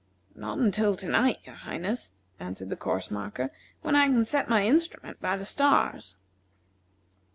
"Not until to night, your Highness," answered the course marker, "when I can set my instrument by the stars."